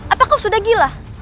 apa kau sudah gila